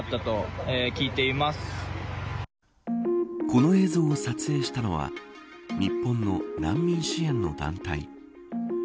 この映像を撮影したのは日本の難民支援の団体。